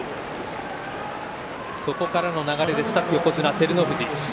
そこからの流れでした横綱照ノ富士。